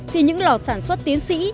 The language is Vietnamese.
thì những lò sản xuất tiến sĩ